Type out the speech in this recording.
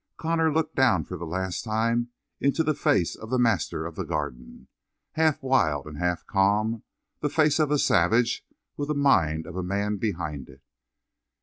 Connor looked down for the last time into the face of the master of the Garden, half wild and half calm the face of a savage with the mind of a man behind it.